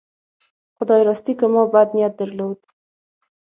خدای راستي که ما بد نیت درلود.